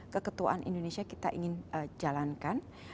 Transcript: keketuaan indonesia kita ingin jalankan